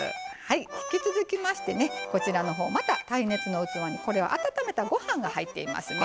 引き続きましてねこちらのほうまた耐熱の器にこれは温めたご飯が入っていますね。